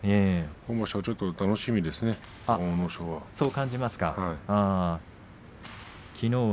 今場所ちょっと楽しみですね阿武咲は。